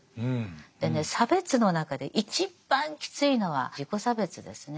でね差別の中で一番きついのは自己差別ですね。